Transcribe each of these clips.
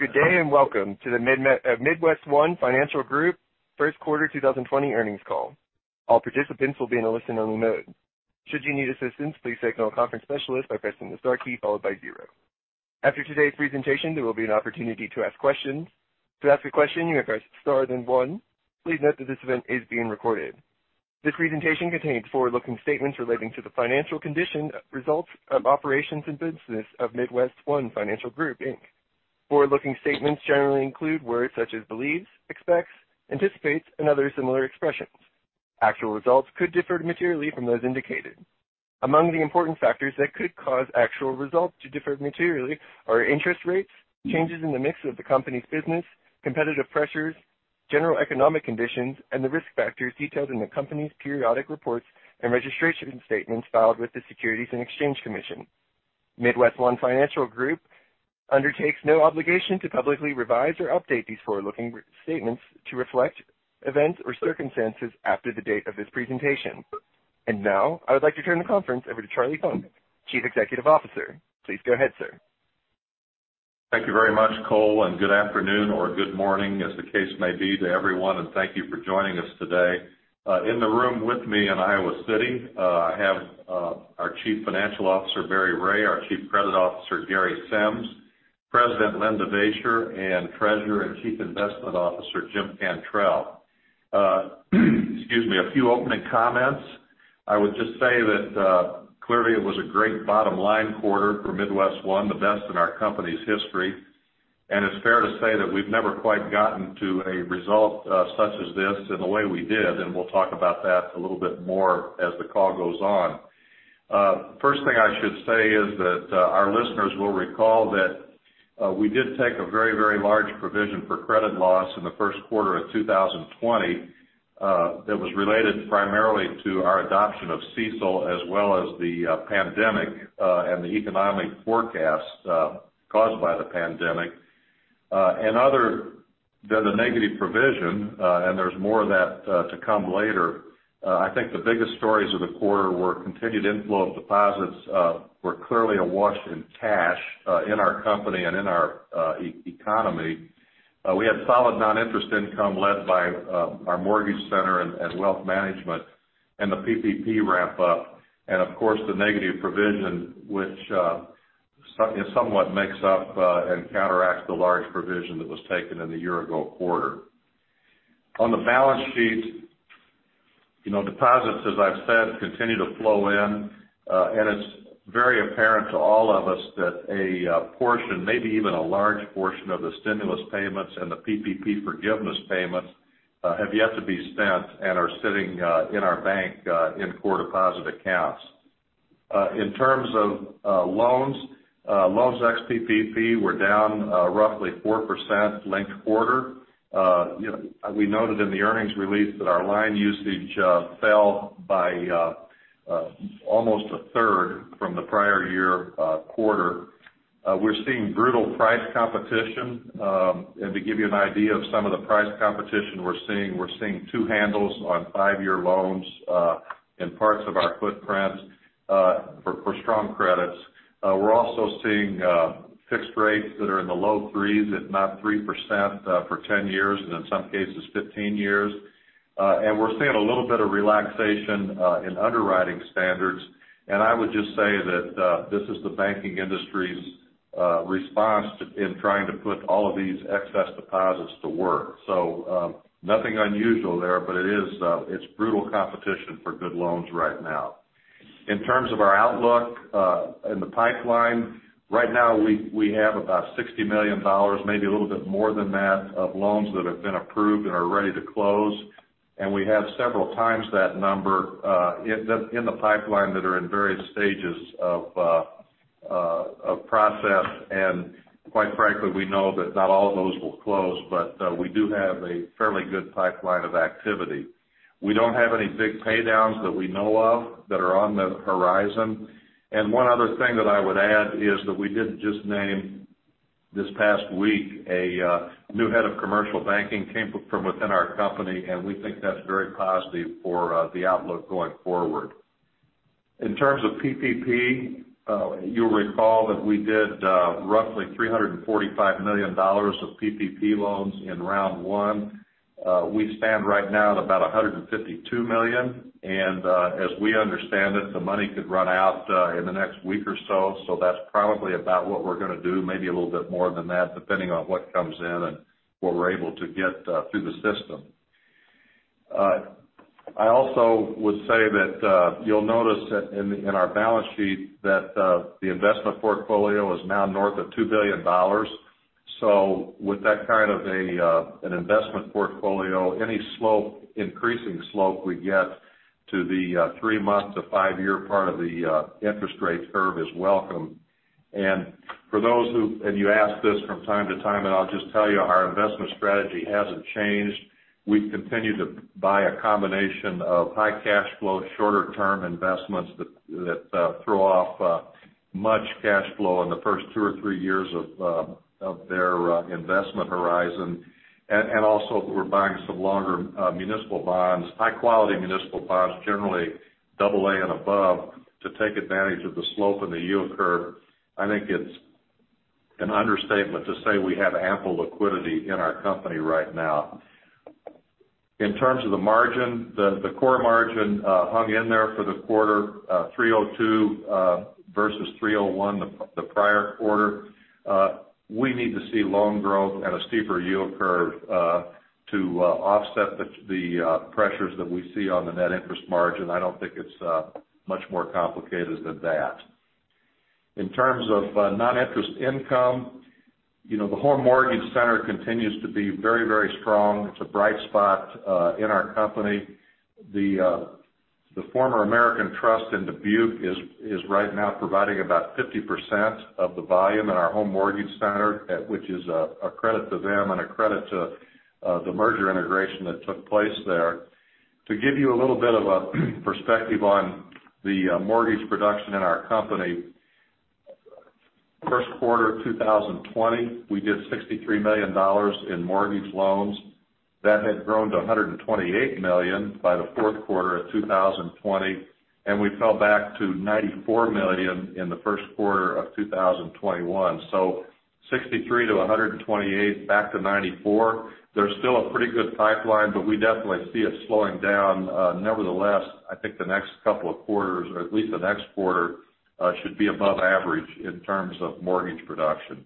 This presentation contains forward-looking statements relating to the financial condition, results of operations, and business of MidwestOne Financial Group, Inc. Forward-looking statements generally include words such as believes, expects, anticipates, and other similar expressions. Actual results could differ materially from those indicated. Among the important factors that could cause actual results to differ materially are interest rates, changes in the mix of the company's business, competitive pressures, general economic conditions, and the risk factors detailed in the company's periodic reports and registration statements filed with the Securities and Exchange Commission. MidwestOne Financial Group undertakes no obligation to publicly revise or update these forward-looking statements to reflect events or circumstances after the date of this presentation. Now, I would like to turn the conference over to Charles N. Funk, Chief Executive Officer. Please go ahead, sir. Thank you very much, Cole, and good afternoon or good morning, as the case may be, to everyone, and thank you for joining us today. In the room with me in Iowa City, I have our Chief Financial Officer, Barry Ray, our Chief Credit Officer, Gary Sims, President Len D. Devaisher, and Treasurer and Chief Investment Officer, James M. Cantrell. Excuse me. A few opening comments. I would just say that clearly it was a great bottom-line quarter for MidWestOne, the best in our company's history. It's fair to say that we've never quite gotten to a result such as this in the way we did, and we'll talk about that a little bit more as the call goes on. First thing I should say is that our listeners will recall that we did take a very, very large provision for credit loss in the first quarter of 2020. That was related primarily to our adoption of CECL, as well as the pandemic, and the economic forecast caused by the pandemic. Other than the negative provision, and there's more of that to come later, I think the biggest stories of the quarter were continued inflow of deposits. We're clearly awash in cash in our company and in our economy. We had solid non-interest income led by our mortgage center and wealth management and the PPP ramp up. Of course, the negative provision, which somewhat makes up and counteracts the large provision that was taken in the year-ago quarter. On the balance sheet, deposits, as I've said, continue to flow in. It's very apparent to all of us that a portion, maybe even a large portion, of the stimulus payments and the PPP forgiveness payments have yet to be spent and are sitting in our bank in core deposit accounts. In terms of loans ex-PPP were down roughly 4% linked quarter. We noted in the earnings release that our line usage fell by almost a third from the prior year quarter. We're seeing brutal price competition. To give you an idea of some of the price competition we're seeing, we're seeing two handles on five-year loans in parts of our footprint for strong credits. We're also seeing fixed rates that are in the low threes, if not 3%, for 10 years, and in some cases, 15 years. We're seeing a little bit of relaxation in underwriting standards. I would just say that this is the banking industry's response in trying to put all of these excess deposits to work. Nothing unusual there, but it's brutal competition for good loans right now. In terms of our outlook in the pipeline, right now we have about $60 million, maybe a little bit more than that, of loans that have been approved and are ready to close. We have several times that number in the pipeline that are in various stages of process. Quite frankly, we know that not all of those will close, but we do have a fairly good pipeline of activity. We don't have any big paydowns that we know of that are on the horizon. One other thing that I would add is that we did just name this past week a new head of commercial banking, came from within our company, and we think that's very positive for the outlook going forward. In terms of PPP, you'll recall that we did roughly $345 million of PPP loans in round one. We stand right now at about $152 million. As we understand it, the money could run out in the next week or so. That's probably about what we're going to do, maybe a little bit more than that, depending on what comes in and what we're able to get through the system. I also would say that you'll notice in our balance sheet that the investment portfolio is now north of $2 billion. With that kind of an investment portfolio, any increasing slope we get to the three-month to five-year part of the interest rate curve is welcome. You ask this from time to time, and I'll just tell you, our investment strategy hasn't changed. We continue to buy a combination of high cash flow, shorter-term investments that throw off much cash flow in the first two or three years of their investment horizon. Also, we're buying some longer municipal bonds, high-quality municipal bonds, generally double A and above, to take advantage of the slope in the yield curve. I think it's an understatement to say we have ample liquidity in our company right now. In terms of the margin, the core margin hung in there for the quarter, 302 versus 301 the prior quarter. We need to see loan growth at a steeper yield curve to offset the pressures that we see on the net interest margin. I don't think it's much more complicated than that. In terms of non-interest income, the home mortgage center continues to be very strong. It's a bright spot in our company. The former American Trust in Dubuque is right now providing about 50% of the volume in our home mortgage center, which is a credit to them and a credit to the merger integration that took place there. To give you a little bit of a perspective on the mortgage production in our company. First quarter of 2020, we did $63 million in mortgage loans. That had grown to $128 million by the fourth quarter of 2020. We fell back to $94 million in the first quarter of 2021. $63 to $128 back to $94. There's still a pretty good pipeline, but we definitely see it slowing down. Nevertheless, I think the next couple of quarters, or at least the next quarter, should be above average in terms of mortgage production.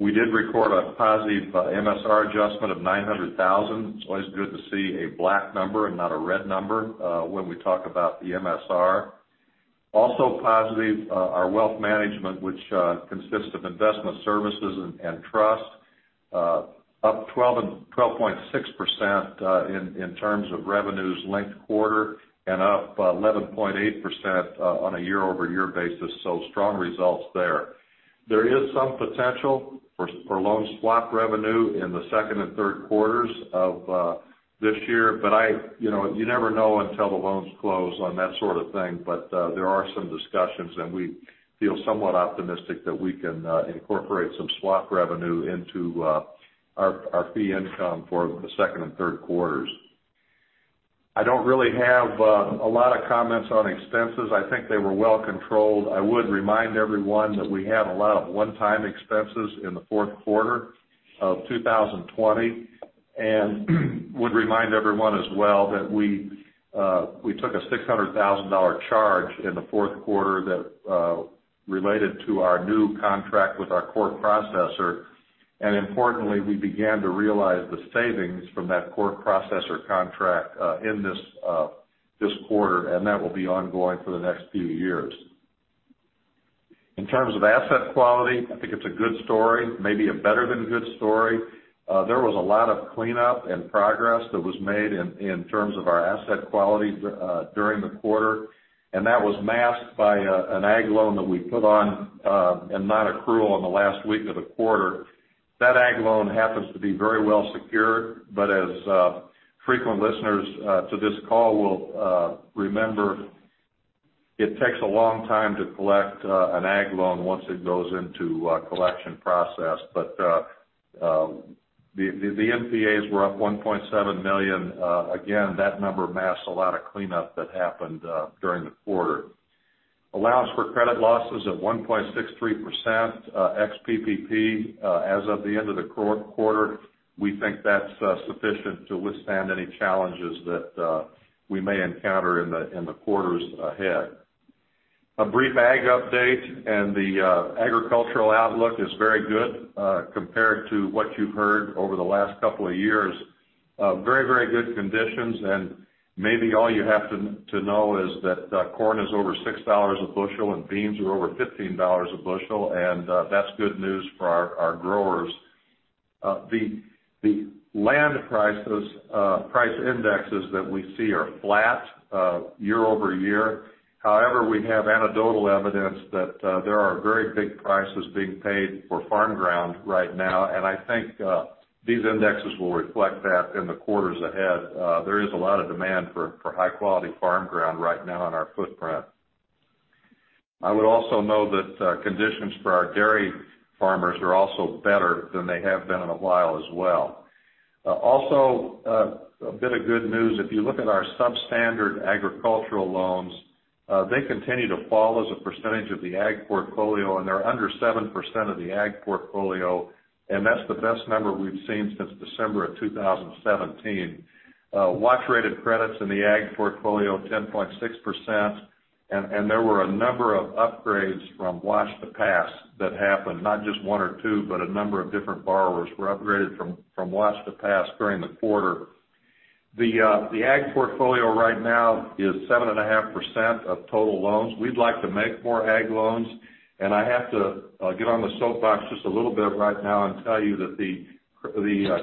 We did record a positive MSR adjustment of $900,000. It's always good to see a black number and not a red number when we talk about the MSR. Also positive, our wealth management, which consists of investment services and trust, up 12.6% in terms of revenues linked-quarter and up 11.8% on a year-over-year basis, so strong results there. You never know until the loans close on that sort of thing. There are some discussions, and we feel somewhat optimistic that we can incorporate some swap revenue into our fee income for the second and third quarters. I don't really have a lot of comments on expenses. I think they were well controlled. I would remind everyone that we had a lot of one-time expenses in the fourth quarter of 2020. Would remind everyone as well that we took a $600,000 charge in the fourth quarter that related to our new contract with our core processor. Importantly, we began to realize the savings from that core processor contract in this quarter, and that will be ongoing for the next few years. In terms of asset quality, I think it's a good story, maybe a better-than-good story. There was a lot of cleanup and progress that was made in terms of our asset quality during the quarter, and that was masked by an ag loan that we put on a non-accrual in the last week of the quarter. That ag loan happens to be very well secured, but as frequent listeners to this call will remember, it takes a long time to collect an ag loan once it goes into collection process. The NPAs were up $1.7 million. Again, that number masks a lot of cleanup that happened during the quarter. allowance for credit loss is at 1.63% ex PPP as of the end of the quarter. We think that's sufficient to withstand any challenges that we may encounter in the quarters ahead. A brief ag update, and the agricultural outlook is very good compared to what you've heard over the last couple of years. Very good conditions. Maybe all you have to know is that corn is over $6 a bushel and beans are over $15 a bushel. That's good news for our growers. The land prices, price indexes that we see are flat year-over-year. However, we have anecdotal evidence that there are very big prices being paid for farm ground right now. I think these indexes will reflect that in the quarters ahead. There is a lot of demand for high-quality farm ground right now in our footprint. I would also note that conditions for our dairy farmers are also better than they have been in a while as well. A bit of good news, if you look at our substandard agricultural loans, they continue to fall as a percentage of the ag portfolio, and they're under 7% of the ag portfolio, and that's the best number we've seen since December of 2017. Watch-rated credits in the ag portfolio, 10.6%. There were a number of upgrades from watch to pass that happened, not just one or two, but a number of different borrowers were upgraded from watch to pass during the quarter. The ag portfolio right now is 7.5% of total loans. We'd like to make more ag loans, and I have to get on the soapbox just a little bit right now and tell you that the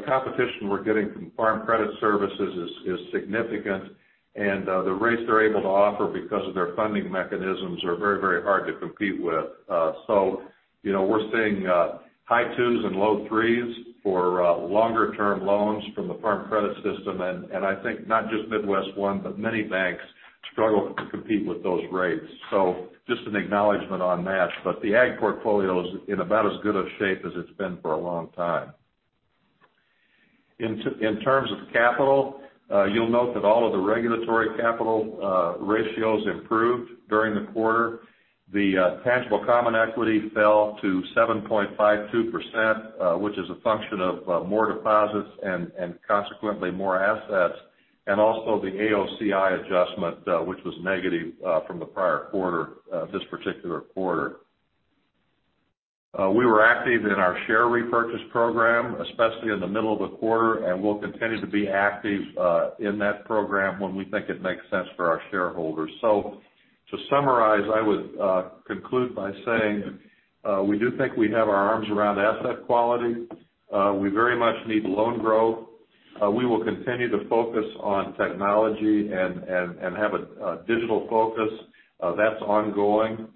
competition we're getting from Farm Credit Services is significant, and the rates they're able to offer because of their funding mechanisms are very hard to compete with. We're seeing high twos and low threes for longer-term loans from the Farm Credit System. I think not just MidWestOne, but many banks struggle to compete with those rates. Just an acknowledgment on that. The ag portfolio is in about as good of shape as it's been for a long time. In terms of capital, you'll note that all of the regulatory capital ratios improved during the quarter. The tangible common equity fell to 7.52%, which is a function of more deposits and consequently more assets, also the AOCI adjustment, which was negative from the prior quarter, this particular quarter. We were active in our share repurchase program, especially in the middle of the quarter, we'll continue to be active in that program when we think it makes sense for our shareholders. To summarize, I would conclude by saying, we do think we have our arms around asset quality. We very much need loan growth. We will continue to focus on technology and have a digital focus. That's ongoing.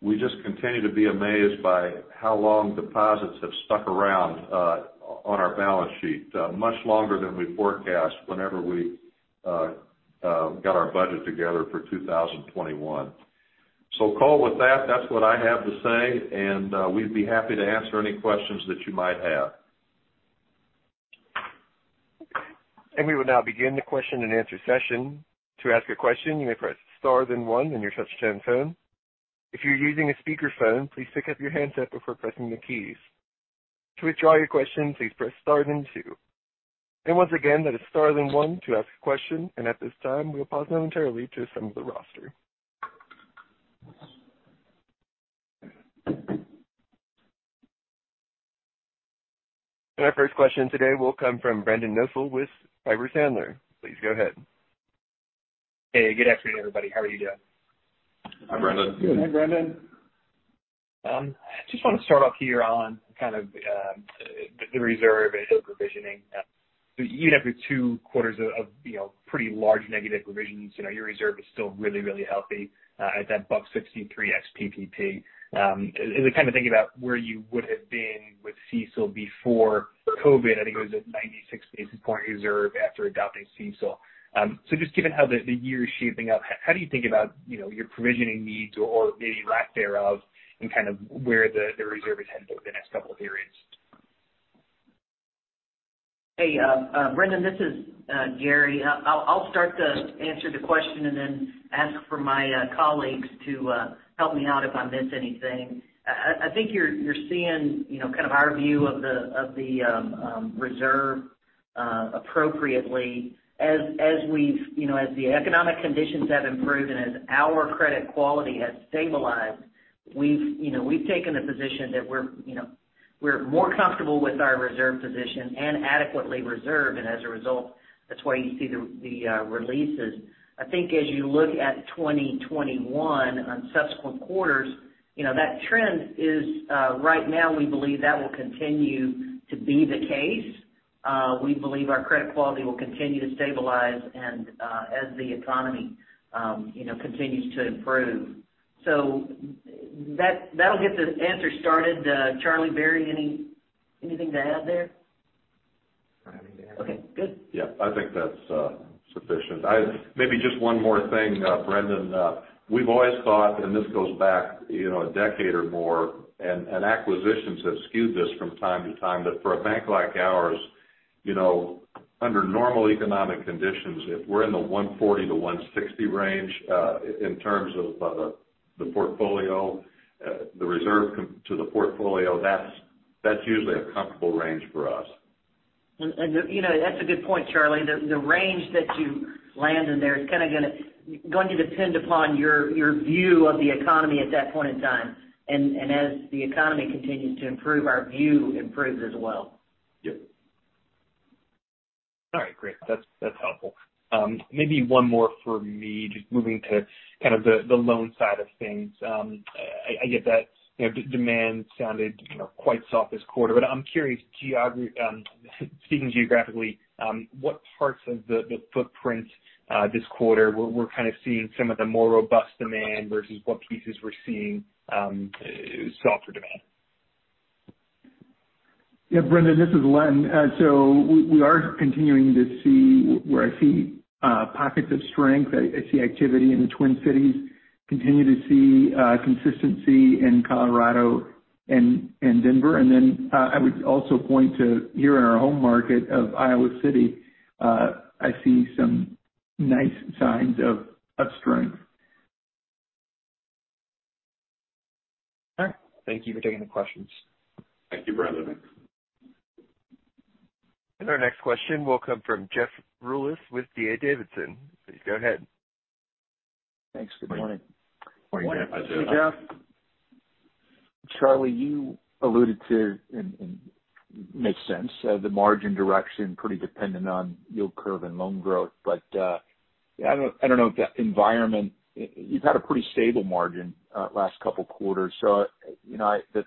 We just continue to be amazed by how long deposits have stuck around on our balance sheet. Much longer than we forecast whenever we got our budget together for 2021. Cole, with that's what I have to say, and we'd be happy to answer any questions that you might have. We will now begin the question and answer session. To ask a question, you may press star then one on your touch-tone phone. If you're using a speakerphone, please pick up your handset before pressing the keys. To withdraw your question, please press star then two. Once again, that is star then one to ask a question, and at this time, we'll pause momentarily to assemble the roster. Our first question today will come from Brendan Nosal with Piper Sandler. Please go ahead. Hey, good afternoon, everybody. How are you doing? Hi, Brendan. Good. Hey, Brendan. Just want to start off here on kind of the reserve and the provisioning. Even after two quarters of pretty large negative provisions, your reserve is still really, really healthy at that $1.63 ex PPP. As I think about where you would have been with CECL before COVID, I think it was at 96 basis point reserve after adopting CECL. Just given how the year is shaping up, how do you think about your provisioning needs or maybe lack thereof and kind of where the reserve is headed over the next couple of periods? Hey Brendan, this is Gary. I'll start to answer the question and then ask for my colleagues to help me out if I miss anything. I think you're seeing our view of the reserve appropriately. As the economic conditions have improved and as our credit quality has stabilized, we've taken the position that we're more comfortable with our reserve position and adequately reserved, and as a result, that's why you see the releases. I think as you look at 2021 on subsequent quarters, that trend is right now, we believe that will continue to be the case. We believe our credit quality will continue to stabilize and as the economy continues to improve. That'll get this answer started. Charlie, Barry, anything to add there? I don't have anything to add. Okay, good. Yeah. I think that's sufficient. Maybe just one more thing, Brendan. We've always thought, and this goes back a decade or more, and acquisitions have skewed this from time to time, but for a bank like ours, under normal economic conditions, if we're in the 140-160 range in terms of the portfolio, the reserve to the portfolio, that's usually a comfortable range for us. That's a good point, Charlie. The range that you land in there is kind of going to depend upon your view of the economy at that point in time. As the economy continues to improve, our view improves as well. Yeah. All right, great. That's helpful. Maybe one more for me, just moving to kind of the loan side of things. I get that demand sounded quite soft this quarter, but I'm curious, speaking geographically, what parts of the footprint this quarter we're kind of seeing some of the more robust demand versus what pieces we're seeing softer demand? Yeah, Brendan, this is Len. We are continuing to see where I see pockets of strength. I see activity in the Twin Cities, continue to see consistency in Colorado and Denver. I would also point to here in our home market of Iowa City, I see some nice signs of strength. All right. Thank you for taking the questions. Thank you, Brendan. Our next question will come from Jeffrey Rulis with D.A. Davidson. Please go ahead. Thanks. Good morning. Morning. Good morning, Jeff. Charlie, you alluded to, and it makes sense, the margin direction pretty dependent on yield curve and loan growth. You've had a pretty stable margin last couple quarters. The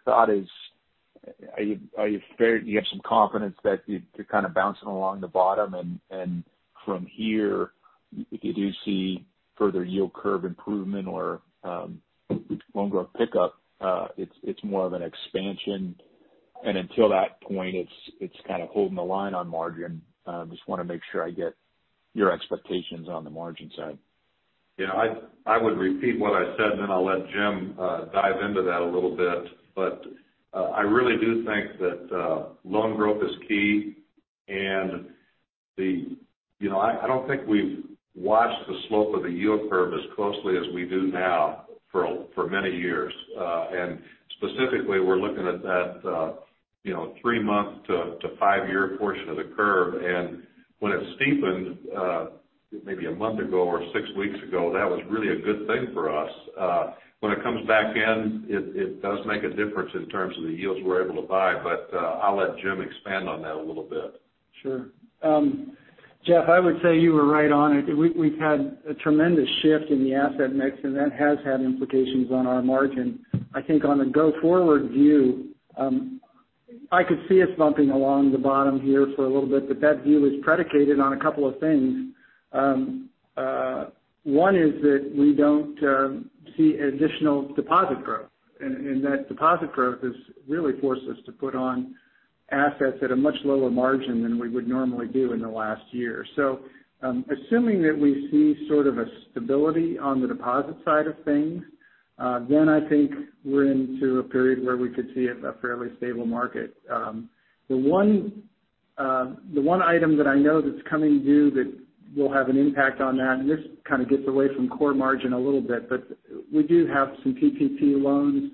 thought is, you have some confidence that you're kind of bouncing along the bottom and from here, if you do see further yield curve improvement or loan growth pickup, it's more of an expansion. Until that point, it's kind of holding the line on margin. Just want to make sure I get your expectations on the margin side. I would repeat what I said, then I'll let Jim dive into that a little bit. I really do think that loan growth is key, and I don't think we've watched the slope of the yield curve as closely as we do now for many years. Specifically, we're looking at that three-month to five-year portion of the curve. When it steepened maybe a month ago or six weeks ago, that was really a good thing for us. When it comes back in, it does make a difference in terms of the yields we're able to buy. I'll let Jim expand on that a little bit. Sure. Jeff, I would say you were right on it. We've had a tremendous shift in the asset mix, and that has had implications on our margin. I think on a go-forward view, I could see us bumping along the bottom here for a little bit, but that view is predicated on a couple of things. One is that we don't see additional deposit growth, and that deposit growth has really forced us to put on assets at a much lower margin than we would normally do in the last year. Assuming that we see sort of a stability on the deposit side of things, then I think we're into a period where we could see a fairly stable market. The one item that I know that's coming due that will have an impact on that, and this kind of gets away from core margin a little bit, but we do have some PPP loans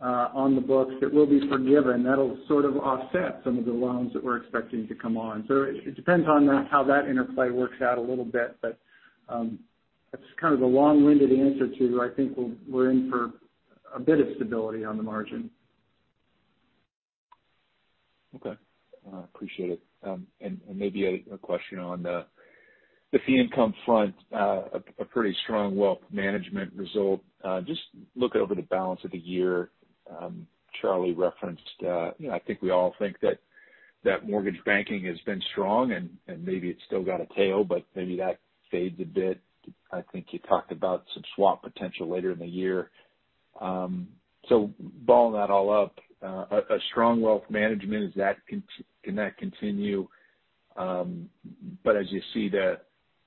on the books that will be forgiven. That will sort of offset some of the loans that we're expecting to come on. It depends on how that interplay works out a little bit. That's kind of a long-winded answer to, I think we're in for a bit of stability on the margin. Okay. I appreciate it. Maybe a question on the fee income front. A pretty strong wealth management result. Just looking over the balance of the year, Charlie referenced, I think we all think that mortgage banking has been strong, and maybe it's still got a tail, but maybe that fades a bit. I think you talked about some swap potential later in the year. Balling that all up, a strong wealth management, can that continue? As you see that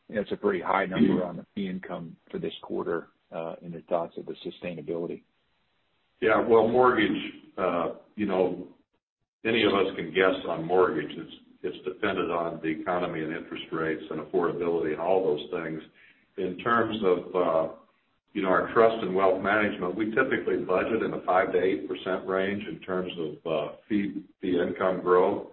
it's a pretty high number on the fee income for this quarter, any thoughts of the sustainability? Well, mortgage, any of us can guess on mortgages. It is dependent on the economy and interest rates and affordability and all those things. In terms of our trust and wealth management, we typically budget in the 5%-8% range in terms of fee income growth.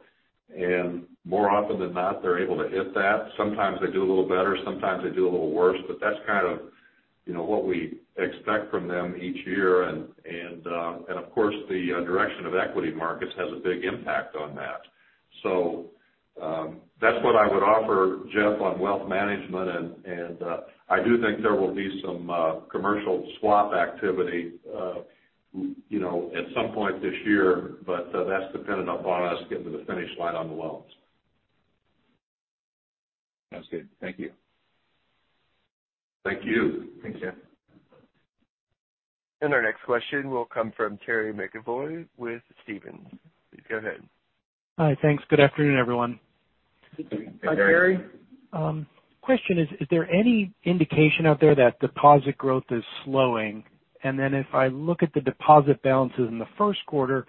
More often than not, they are able to hit that. Sometimes they do a little better, sometimes they do a little worse. That is kind of what we expect from them each year. Of course, the direction of equity markets has a big impact on that. That is what I would offer, Jeff, on wealth management, and I do think there will be some commercial swap activity at some point this year. That is dependent upon us getting to the finish line on the loans. Sounds good. Thank you. Thank you. Thanks, Jeff. Our next question will come from Terry McEvoy with Stephens. Please go ahead. Hi. Thanks. Good afternoon, everyone. Hi, Terry. Hi, Terry. Question is there any indication out there that deposit growth is slowing? If I look at the deposit balances in the first quarter,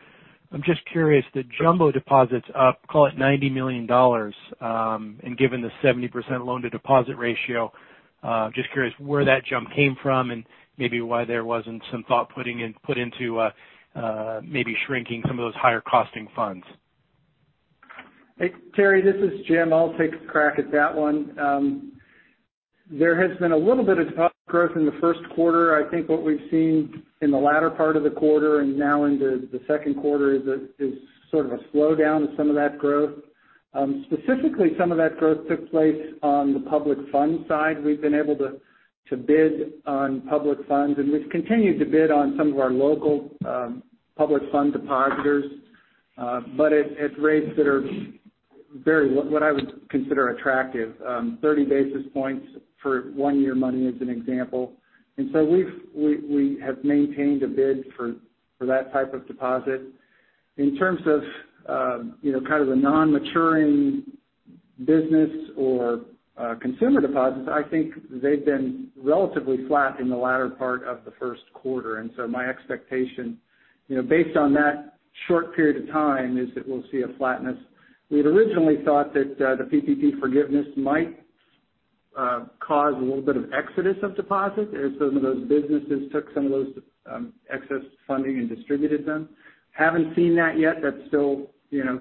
I'm just curious, the jumbo deposit's up, call it $90 million, and given the 70% loan-to-deposit ratio, just curious where that jump came from and maybe why there wasn't some thought put into maybe shrinking some of those higher-costing funds. Hey, Terry, this is Jim. I'll take a crack at that one. There has been a little bit of deposit growth in the first quarter. I think what we've seen in the latter part of the quarter and now into the second quarter is sort of a slowdown of some of that growth. Specifically, some of that growth took place on the public fund side. We've been able to bid on public funds, and we've continued to bid on some of our local public fund depositors, but at rates that are very, what I would consider attractive. 30 basis points for one-year money as an example. We have maintained a bid for that type of deposit. In terms of kind of the non-maturing business or consumer deposits, I think they've been relatively flat in the latter part of the first quarter. My expectation based on that short period of time is that we'll see a flatness. We had originally thought that the PPP forgiveness might cause a little bit of exodus of deposits as some of those businesses took some of those excess funding and distributed them. Haven't seen that yet. That's still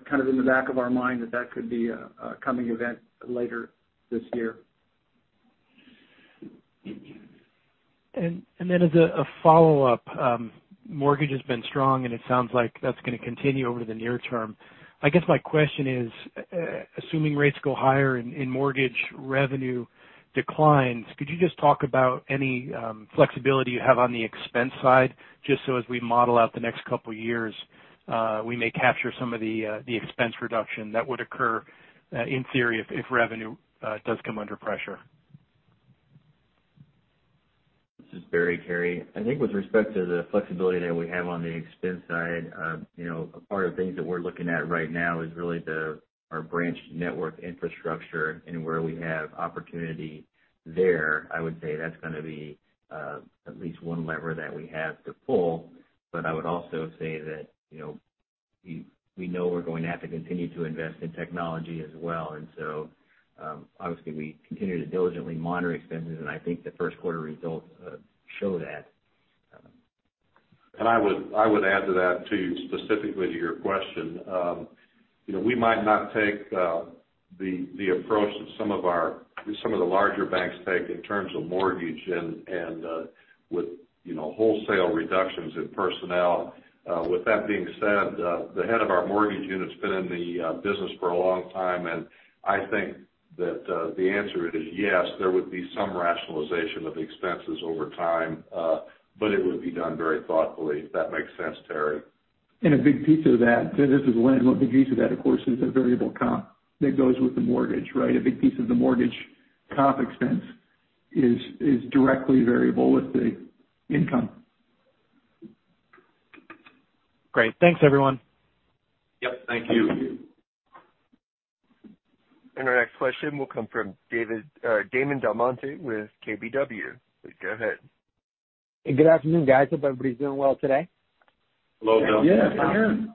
kind of in the back of our mind that could be a coming event later this year. As a follow-up. Mortgage has been strong, and it sounds like that's going to continue over the near term. I guess my question is, assuming rates go higher and mortgage revenue declines, could you just talk about any flexibility you have on the expense side? Just so as we model out the next couple of years, we may capture some of the expense reduction that would occur in theory if revenue does come under pressure. This is Barry, Terry. I think with respect to the flexibility that we have on the expense side, a part of things that we're looking at right now is really our branch network infrastructure and where we have opportunity there. I would say that's going to be at least one lever that we have to pull. I would also say that we know we're going to have to continue to invest in technology as well. Obviously, we continue to diligently monitor expenses, and I think the first quarter results show that. I would add to that, too, specifically to your question. We might not take the approach that some of the larger banks take in terms of mortgage and with wholesale reductions in personnel. With that being said, the head of our mortgage unit's been in the business for a long time, and I think that the answer is yes, there would be some rationalization of expenses over time. It would be done very thoughtfully, if that makes sense, Terry. A big piece of that, this is Len. A big piece of that, of course, is the variable comp that goes with the mortgage, right? A big piece of the mortgage comp expense is directly variable with the income. Great. Thanks, everyone. Yep, thank you. Our next question will come from Damon Del Monte with KBW. Please go ahead. Hey, good afternoon, guys. Hope everybody's doing well today. Hello, Damon.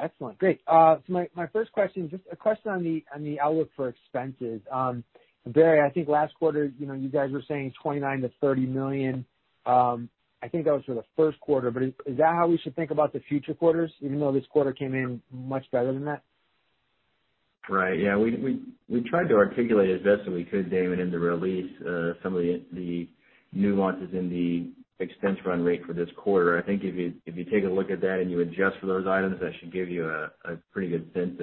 Yeah. Excellent. Great. My first question, just a question on the outlook for expenses. Barry, I think last quarter, you guys were saying $29 million-$30 million. I think that was for the first quarter, is that how we should think about the future quarters, even though this quarter came in much better than that? Right. Yeah. We tried to articulate as best that we could, Damon, in the release some of the nuances in the expense run rate for this quarter. I think if you take a look at that and you adjust for those items, that should give you a pretty good sense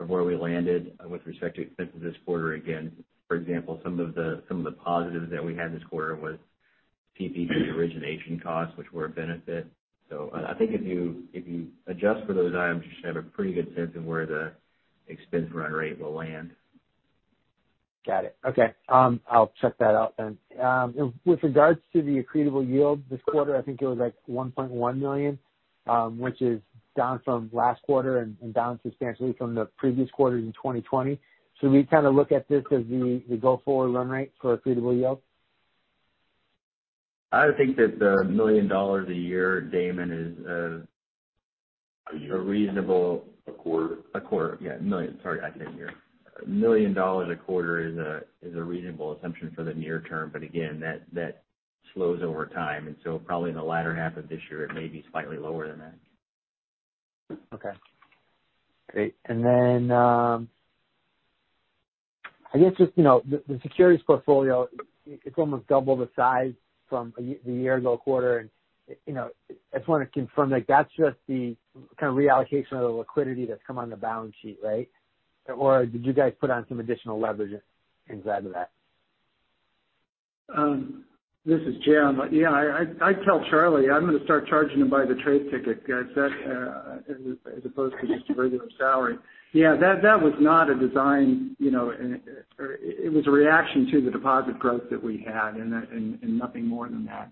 of where we landed with respect to expenses this quarter, again. For example, some of the positives that we had this quarter was PPP origination costs, which were a benefit. I think if you adjust for those items, you should have a pretty good sense of where the expense run rate will land. Got it. Okay. I'll check that out then. With regards to the accretable yield this quarter, I think it was like $1.1 million which is down from last quarter and down substantially from the previous quarters in 2020. Should we kind of look at this as the go-forward run rate for accretable yield? I think that the $1 million a year, Damon. A year. reasonable- A quarter. A quarter, yeah. Sorry, I said a year. $1 million a quarter is a reasonable assumption for the near term. Again, that slows over time. Probably in the latter half of this year, it may be slightly lower than that. Okay. Great. I guess just the securities portfolio, it's almost double the size from the year-ago quarter, and I just want to confirm, that's just the kind of reallocation of the liquidity that's come on the balance sheet, right? Did you guys put on some additional leverage inside of that? This is Jim. Yeah, I tell Charlie I'm going to start charging him by the trade ticket, guys, as opposed to just a regular salary. Yeah, that was not a design. It was a reaction to the deposit growth that we had and nothing more than that.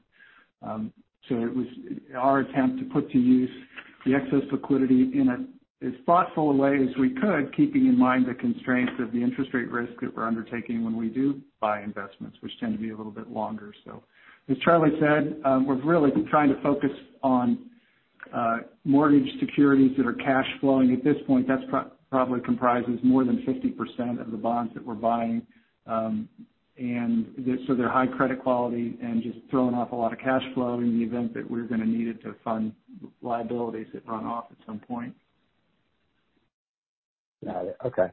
It was our attempt to put to use the excess liquidity in as thoughtful a way as we could, keeping in mind the constraints of the interest rate risk that we're undertaking when we do buy investments, which tend to be a little bit longer. As Charlie said, we're really trying to focus on mortgage securities that are cash flowing. At this point, that probably comprises more than 50% of the bonds that we're buying. They're high credit quality and just throwing off a lot of cash flow in the event that we're going to need it to fund liabilities that run off at some point. Got it. Okay.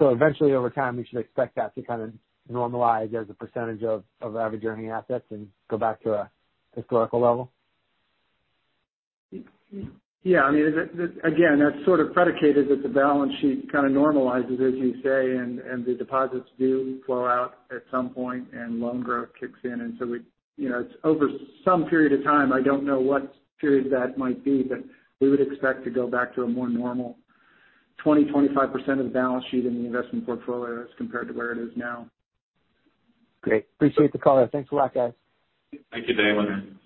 Eventually over time, we should expect that to kind of normalize as a percentage of average earning assets and go back to a historical level? Yeah. Again, that's sort of predicated that the balance sheet kind of normalizes, as you say, and the deposits do flow out at some point and loan growth kicks in. It's over some period of time. I don't know what period that might be, but we would expect to go back to a more normal 20, 25% of the balance sheet in the investment portfolio as compared to where it is now. Great. Appreciate the color. Thanks a lot, guys. Thank you, Damon.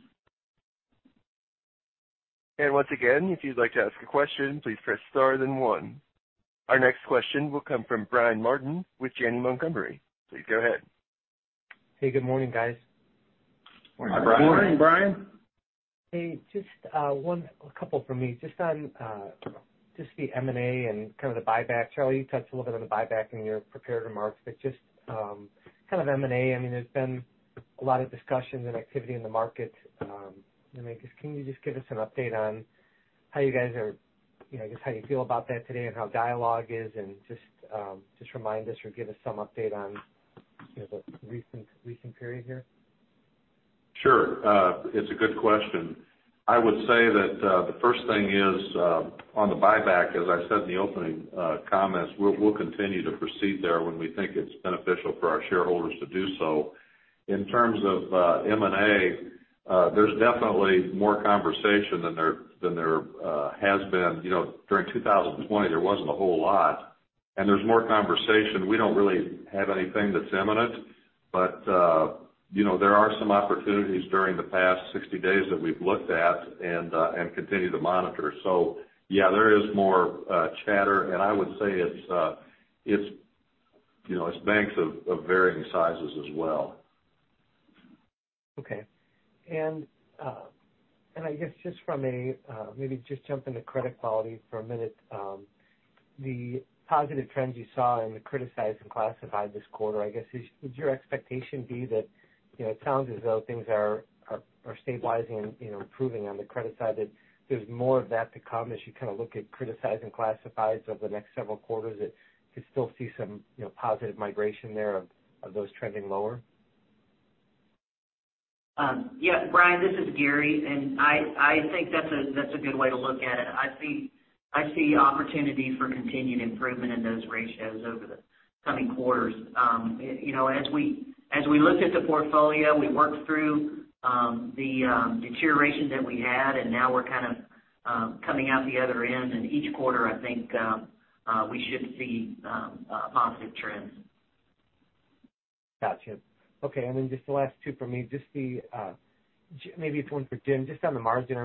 Once again, if you'd like to ask a question, please press star then one. Our next question will come from Brian Martin with Janney Montgomery. Please go ahead. Hey, good morning, guys. Morning, Brian. Morning, Brian. Hey, just a couple from me. Just on just the M&A and kind of the buyback. Charlie, you touched a little bit on the buyback in your prepared remarks, but just kind of M&A, there's been a lot of discussions and activity in the market. Can you just give us an update on how you feel about that today and how dialogue is and just remind us or give us some update on the recent period here? Sure. It's a good question. I would say that the first thing is on the buyback, as I said in the opening comments, we'll continue to proceed there when we think it's beneficial for our shareholders to do so. In terms of M&A, there's definitely more conversation than there has been. During 2020, there wasn't a whole lot. There's more conversation. We don't really have anything that's imminent, but there are some opportunities during the past 60 days that we've looked at and continue to monitor. Yeah, there is more chatter, and I would say it's banks of varying sizes as well. Okay. I guess just maybe just jump into credit quality for a minute. The positive trends you saw in the criticized and classified this quarter, I guess, would your expectation be that, it sounds as though things are stabilizing and improving on the credit side, that there's more of that to come as you kind of look at criticized and classifieds over the next several quarters, that you still see some positive migration there of those trending lower? Yeah. Brian, this is Gary, and I think that's a good way to look at it. I see opportunities for continued improvement in those ratios over the coming quarters. As we looked at the portfolio, we worked through the deterioration that we had, and now we're kind of coming out the other end. Each quarter, I think, we should see positive trends. Gotcha. Okay, just the last two for me. Maybe it's one for Jim, just on the margin.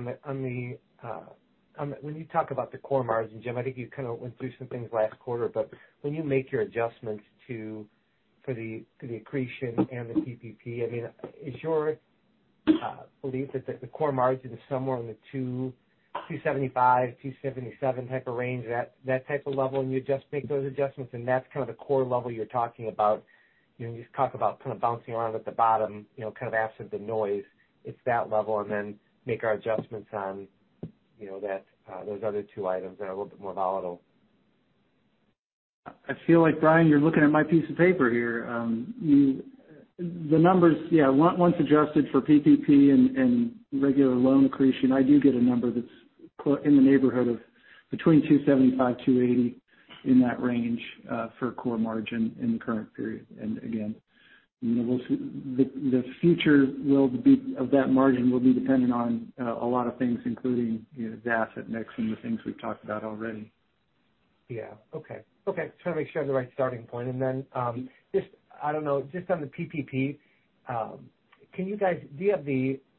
When you talk about the core margin, Jim, I think you kind of went through some things last quarter, but when you make your adjustments for the accretion and the PPP, is your belief that the core margin is somewhere in the 275, 277 type of range, that type of level, and you just make those adjustments, and that's kind of the core level you're talking about, you talk about kind of bouncing around at the bottom, kind of absent the noise, it's that level, and then make our adjustments on those other two items that are a little bit more volatile? I feel like, Brian, you're looking at my piece of paper here. The numbers, yeah, once adjusted for PPP and regular loan accretion, I do get a number that's in the neighborhood of between 275, 280 in that range for core margin in the current period. Again, the future of that margin will be dependent on a lot of things, including the asset mix and the things we've talked about already. Yeah. Okay. Just want to make sure I have the right starting point. I don't know, just on the PPP, do you have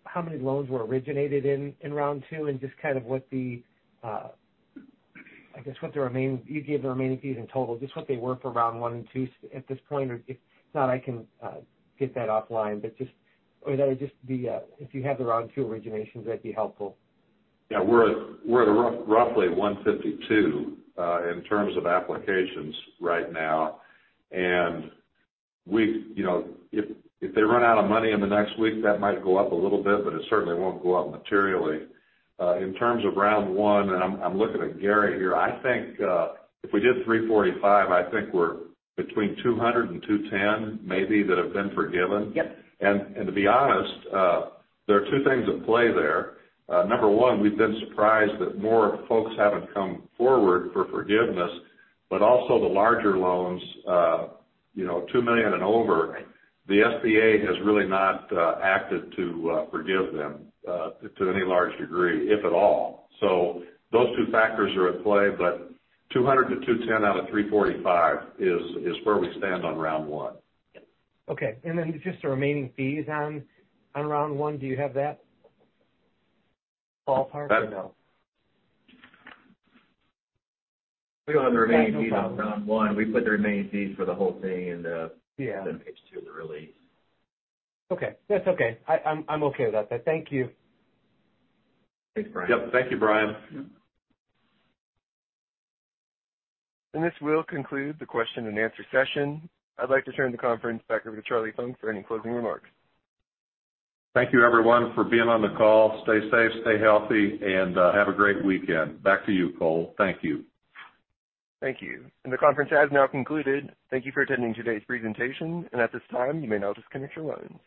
how many loans were originated in round 2 and just kind of what the, I guess, you gave the remaining fees in total, just what they were for round 1 and 2 at this point? If not, I can get that offline. If you have the round 2 originations, that'd be helpful. Yeah. We're at roughly 152 in terms of applications right now. If they run out of money in the next week, that might go up a little bit, but it certainly won't go up materially. In terms of round one, and I'm looking at Gary here, I think if we did 345, I think we're between 200 and 210 maybe that have been forgiven. Yep. To be honest, there are two things at play there. Number one, we've been surprised that more folks haven't come forward for forgiveness, also the larger loans, $2 million and over. Right the SBA has really not acted to forgive them to any large degree, if at all. Those two factors are at play, but 200-210 out of 345 is where we stand on round one. Yep. Okay. just the remaining fees on round 1, do you have that ballpark or no? We don't have the remaining fees on round one. We put the remaining fees for the whole thing. Yeah page two of the release. Okay. That's okay. I'm okay with that then. Thank you. Thanks, Brian. Yep. Thank you, Brian. This will conclude the question and answer session. I'd like to turn the conference back over to Charlie Funk for any closing remarks. Thank you, everyone, for being on the call. Stay safe, stay healthy, and have a great weekend. Back to you, Cole. Thank you. Thank you. The conference has now concluded. Thank you for attending today's presentation, and at this time, you may now disconnect your lines.